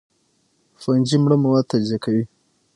فنجي مړه مواد تجزیه کوي